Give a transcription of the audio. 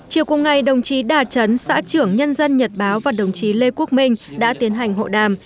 chiều cùng ngày đồng chí đà trấn xã trưởng nhân dân nhật báo và đồng chí lê quốc minh đã tiến hành hộ đàm